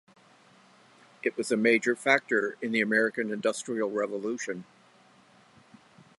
It was a major factor in the American Industrial Revolution.